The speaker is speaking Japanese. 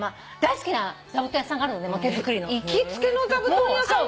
行きつけの座布団屋さんもあるの？